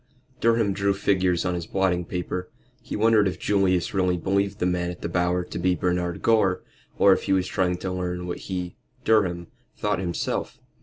Durham drew figures on his blotting paper. He wondered if Julius really believed the man at the Bower to be Bernard Gore, or if he was trying to learn what he Durham thought himself.